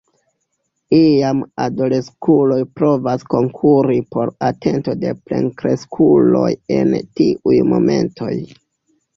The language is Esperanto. Iam adoleskuloj provas konkuri por atento de plenkreskuloj en tiuj momentoj.